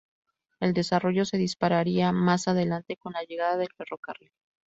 El desarrollo se dispararía más adelante con la llegada del ferrocarril.